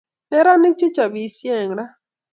Neranik che chapisiei eng ra